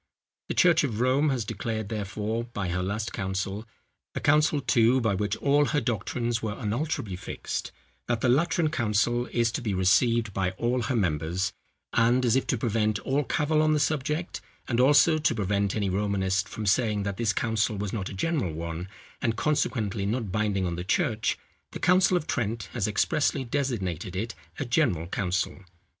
The church of Rome has declared, therefore, by her last council,—a council, too, by which all her doctrines were unalterably fixed,—that the Lateran council is to be received by all her members; and, as if to prevent all cavil on the subject, and also to prevent any Romanist from saying that this council was not a general one, and consequently not binding on the church, the council of Trent has expressly designated it a general council.